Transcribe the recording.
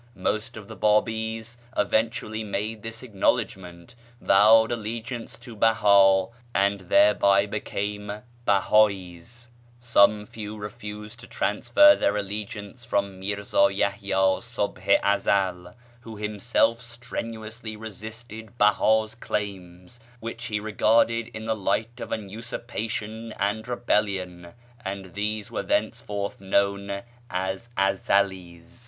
Most of the Bábís eventually made this acknowledgement, vowed allegiance to Behá, and thereby became Behá'ís; some few refused to transfer their allegiance from Mírzá Yahyá Subh i Ezel (who himself strenuously resisted Behá's claims, which he regarded in the light of an usurpation and a rebellion), and these were thenceforth known as Ezelís.